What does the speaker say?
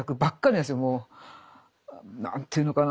何て言うのかな